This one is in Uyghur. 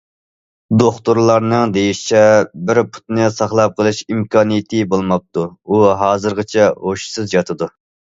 دوختۇرلارنىڭ دېيىشىچە، بىر پۇتىنى ساقلاپ قېلىش ئىمكانىيىتى بولماپتۇ، ئۇ ھازىرغىچە ھوشسىز ياتىدۇ.